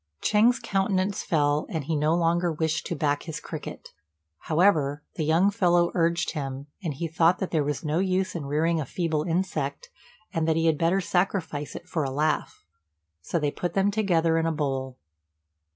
Ch'êng's countenance fell, and he no longer wished to back his cricket; however, the young fellow urged him, and he thought that there was no use in rearing a feeble insect, and that he had better sacrifice it for a laugh; so they put them together in a bowl.